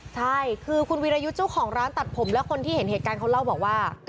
ใช่คือคุณวีรยุทธ์เจ้าของร้านตัดผมและคนที่เห็นเหตุการณ์เขาเล่าบอกว่า